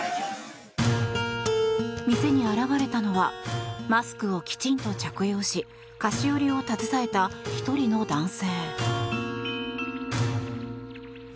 店に現れたのはマスクをきちんと着用し菓子折りを携えた１人の男性。